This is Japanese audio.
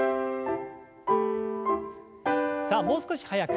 さあもう少し速く。